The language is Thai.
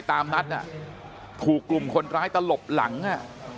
ตามนัดอ่ะถูกกลุ่มคนร้ายตลบหลังอ่ะ